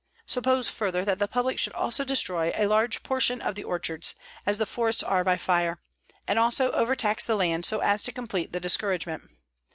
Suppose further that the public should also destroy a large portion of the orchards, as the forests are by fire, and also overtax the land so as to complete the discouragement.